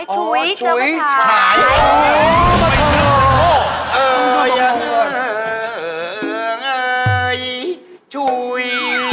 ฉายฉุยเที่ยวมาฉาย